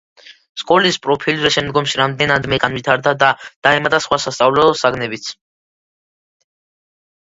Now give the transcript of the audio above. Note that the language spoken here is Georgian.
სკოლის პროფილი შემდგომში რამდენადმე გაფართოვდა და დაემატა სხვა სასწავლო საგნებიც.